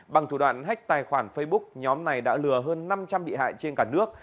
bằng thủ đoạn hách tài khoản facebook nhóm này đã lừa hơn năm trăm linh bị hại trên cả nước